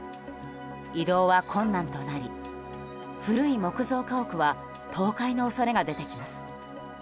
移動は困難となり古い木造家屋は倒壊の恐れが出てきます。